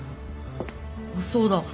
・あっそうだ。